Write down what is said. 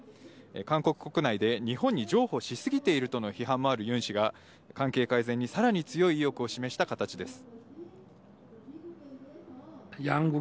韓国国内で、日本に譲歩し過ぎているとの批判もあるユン氏が、関係改善にさらに強い意欲を示した形です。